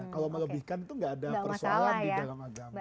kalau melebihkan itu nggak ada persoalan di dalam agama